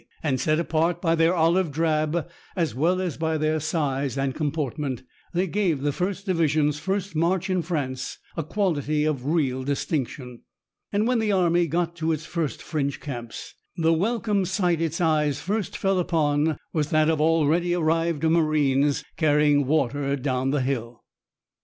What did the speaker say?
And, set apart by their olive drab as well as by their size and comportment, they gave that First Division's first march in France a quality of real distinction. And when the army got to its first French camps, the welcome sight its eyes first fell upon was that of already arrived marines carrying water down the hill.